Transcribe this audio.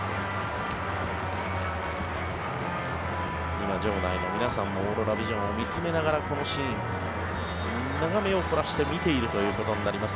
今、場内の皆さんもオーロラビジョンを見つめながらこのシーン、目を凝らして見ているということになります。